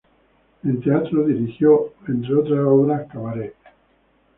En teatro dirigió, entre otras obras, "Cabaret".